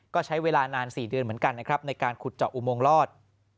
ก็ใช้เวลานาน๔เดือนเหมือนกันนะครับในการขุดเจาะอุโมงรอด